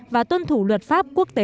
và tuân thủ luật pháp quốc tế